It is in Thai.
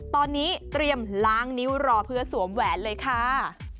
ตอนนี้เตรียมล้างนิ้วรอเพื่อสวมแหวนเลยค่ะ